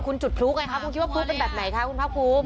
คุณจุดพลุไงคะคุณคิดว่าพลุเป็นแบบไหนคะคุณภาคภูมิ